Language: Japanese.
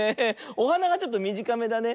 おはながちょっとみじかめだね。